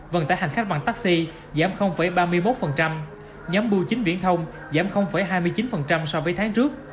vận tải hành khách bằng taxi giảm ba mươi một nhóm bưu chính viễn thông giảm hai mươi chín so với tháng trước